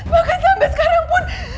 bahkan sampai sekarang pun